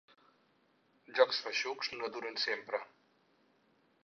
Jocs feixucs no duren sempre.